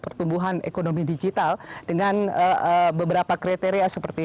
pertumbuhan ekonomi digital dengan beberapa kriteria seperti